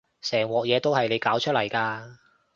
成鑊嘢都係你搞出嚟㗎